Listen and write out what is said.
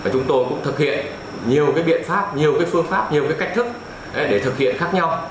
chúng tôi cũng thực hiện nhiều biện pháp nhiều phương pháp nhiều cách thức để thực hiện khác nhau